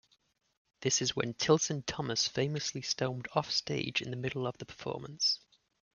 This is when Tilson Thomas famously stormed offstage in the middle of the performance.